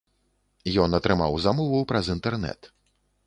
Ён атрымаў замову праз інтэрнэт.